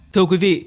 thưa quý vị